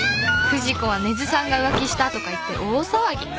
「不二子は根津さんが浮気したとか言って大騒ぎ。